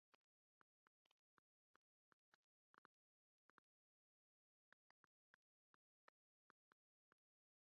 Her booth was next to Automated Simulations' booth-later Epyx-where Jon was working.